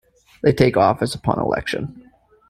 They take office upon election.